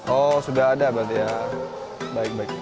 oh sudah ada berarti ya baik baik